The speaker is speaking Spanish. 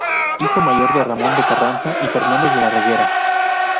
Hijo mayor de Ramón de Carranza y Fernández de la Reguera.